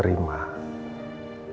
karena ini gak seberapa